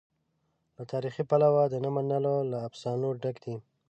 له تاریخي پلوه د نه منلو له افسانو ډک دی.